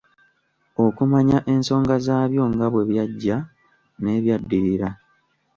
Okumanya ensonga zaabyo nga bwe byajja n'ebyaddirira.